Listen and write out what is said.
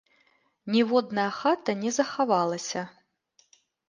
Ніводная хата не захавалася.